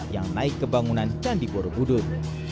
yang naik ke bangunan candi borobudur